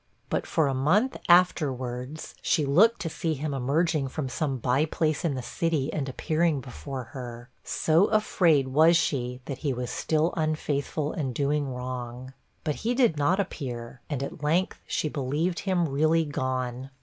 But for a month afterwards, she looked to see him emerging from some by place in the city, and appearing before her; so afraid was she that he was still unfaithful, and doing wrong. But he did not appear, and at length she believed him really gone.